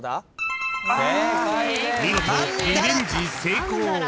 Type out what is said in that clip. ［見事リベンジ成功］